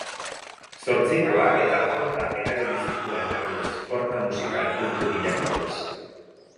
Zortzikoa eta jota erabili zituen erruz forma musikal kultu bilakatuz.